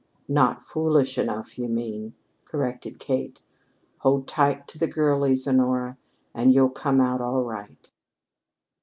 "Not foolish enough, you mean," corrected Kate. "Hold tight to the girlies, Honora, and you'll come out all right."